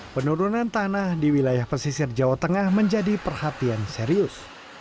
penurunan tanah di wilayah pesisir jawa tengah menjadi perhatian serius